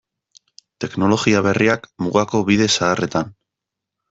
Teknologia berriak mugako bide zaharretan.